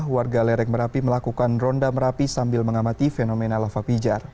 warga lereng merapi melakukan ronda merapi sambil mengamati fenomena lava pijar